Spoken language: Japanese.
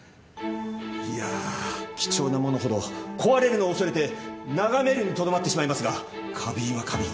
いや貴重なものほど壊れるのを恐れて眺めるにとどまってしまいますが花瓶は花瓶。